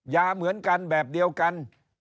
ยาเหมือนกันแบบเดียวกัน